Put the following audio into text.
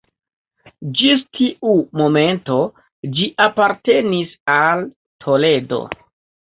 Ĝis tiu momento ĝi apartenis al Toledo.